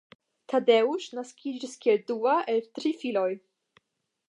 Tadeusz naskiĝis kiel la dua el tri filoj.